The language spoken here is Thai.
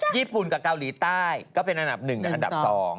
ญี่ปุ่นกับเกาหลีใต้ก็เป็นอันดับ๑กับอันดับ๒